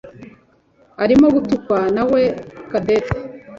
arimo gutukwa nawe Cadette.